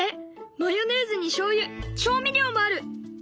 マヨネーズにしょうゆ調味料もある！